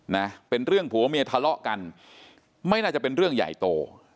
นะเป็นเรื่องผัวเมียทะเลาะกันไม่น่าจะเป็นเรื่องใหญ่โต